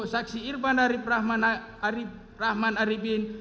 saksi irfan arief rahman arifin